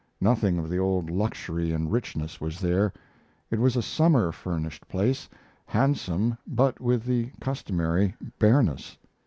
Nothing of the old luxury and richness was there. It was a summer furnished place, handsome but with the customary bareness.